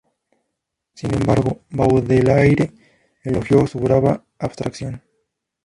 Sin embargo Baudelaire elogió su "brava abstracción".